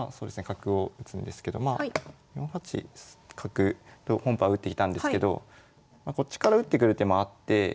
角を打つんですけど４八角と本譜は打ってきたんですけどこっちから打ってくる手もあって。